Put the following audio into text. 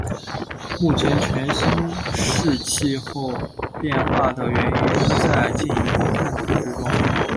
目前全新世气候变化的原因仍在进一步探讨之中。